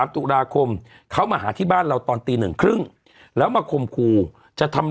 ตุลาคมเขามาหาที่บ้านเราตอนตี๑๓๐แล้วมาคมครูจะทำ